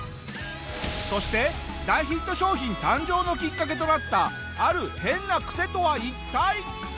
そして大ヒット商品誕生のきっかけとなったある変なクセとは一体？